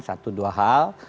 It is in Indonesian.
satu dua hal